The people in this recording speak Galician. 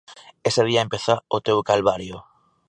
Ese día empeza o teu calvario.